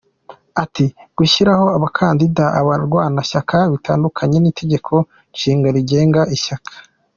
Ati “ Gushyiriraho abakandida abarwanashyaka bitandukanye n’itegeko nshinga rigenga ishyaka.